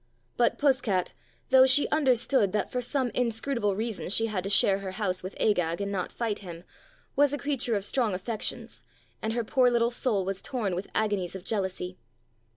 But Puss cat, though she under stood that for some inscrutable reason she had to share her house with Agag, and not fight him, was a crea ture of strong affections, and her poor little soul was torn with agonies of jealousy.